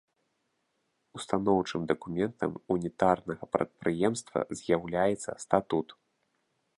Устаноўчым дакументам ўнітарнага прадпрыемства з'яўляецца статут.